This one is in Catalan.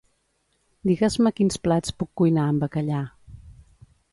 Digues-me quins plats puc cuinar amb bacallà.